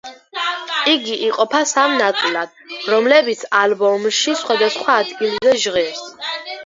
იგი იყოფა სამ ნაწილად, რომლებიც ალბომში, სხვადასხვა ადგილზე ჟღერს.